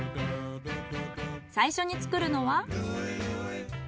最初に作るのは？